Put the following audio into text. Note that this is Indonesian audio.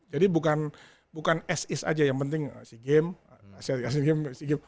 jadi bukan sis aja yang penting sigim